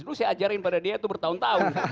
dulu saya ajarin pada dia itu bertahun tahun